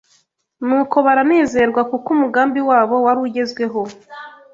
Nuko baranezerwa kuko umugambi wabo wari ugezweho